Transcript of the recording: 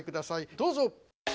どうぞ！